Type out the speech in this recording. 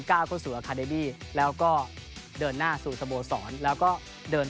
ก้าวเข้าสู่แล้วก็เดินหน้าสู่สะโบศรแล้วก็เดิน